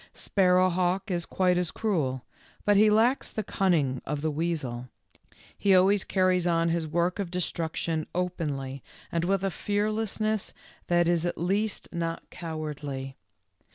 Sparrowhawk is quite as cruel, but he lacks the cunning of the weasel ; he always carries on his work of destruction openly and with a fearlessness that is at least not cowardly.